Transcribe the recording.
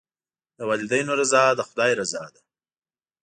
د والدینو رضا د خدای رضا ده.